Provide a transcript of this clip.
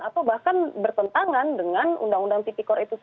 atau bahkan bertentangan dengan undang undang yang tersebut